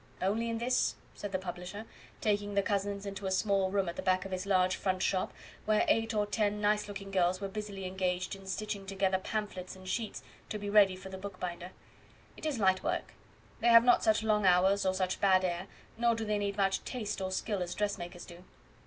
"Only in this," said the publisher, taking the cousins into a small room at the back of his large front shop, where eight or ten nice looking girls were busily engaged in stitching together pamphlets and sheets to be ready for the bookbinder. "It is light work; they have not such long hours or such bad air, nor do they need much taste or skill as dressmakers do."